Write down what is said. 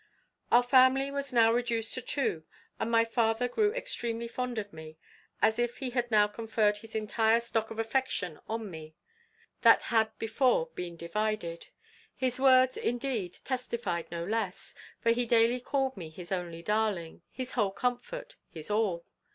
"Our family was now reduced to two, and my father grew extremely fond of me, as if he had now conferred an entire stock of affection on me, that had before been divided. His words, indeed, testified no less, for he daily called me his only darling, his whole comfort, his all.